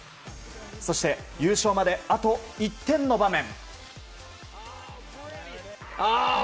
そして、優勝まであと１点の場面。